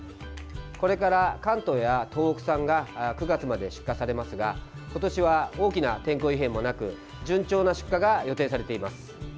これから関東や東北産が９月まで出荷されますが今年は大きな天候異変もなく順調な出荷が予定されています。